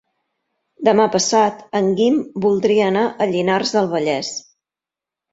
Demà passat en Guim voldria anar a Llinars del Vallès.